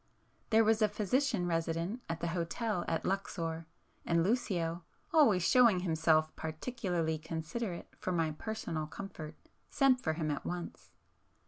There was a physician resident at the hotel at Luxor, and Lucio, always showing himself particularly considerate for my personal comfort, sent for him at once.